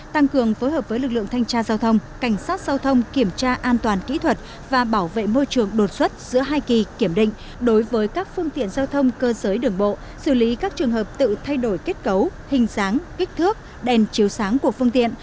tăng cường phối hợp với lực lượng thanh tra giao thông cảnh sát giao thông kiểm tra an toàn kỹ thuật và bảo vệ môi trường đột xuất giữa hai kỳ kiểm định đối với các phương tiện giao thông cơ giới đường bộ xử lý các trường hợp tự thay đổi kết cấu hình dáng kích thước đèn chiếu sáng của phương tiện